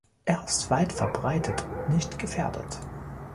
Er ist weitverbreitet und nicht gefährdet.